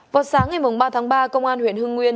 vào sáng ngày ba tháng ba công an huyện hưng nguyên